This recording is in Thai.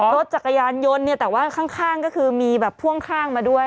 รถจักรยานยนต์เนี่ยแต่ว่าข้างก็คือมีแบบพ่วงข้างมาด้วย